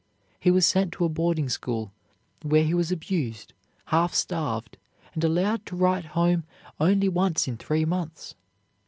He was sent to a boarding school, where he was abused, half starved, and allowed to write home only once in three months.